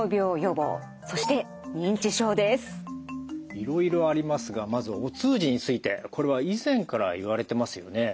いろいろありますがまずはお通じについてこれは以前からいわれてますよね？